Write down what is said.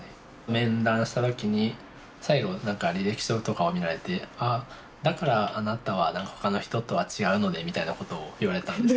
面談した時に最後何か履歴書とかを見られて「だからあなたは他の人とは違うのね」みたいなことを言われたんですね。